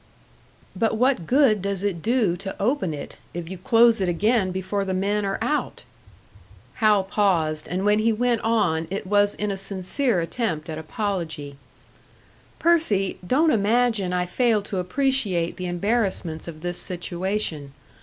"But what good does it do to open it, if you close it again before the men are out?" Hal paused, and when he went on it was in a sincere attempt at apology. "Percy, don't imagine I fail to appreciate the embarrassments of this situation.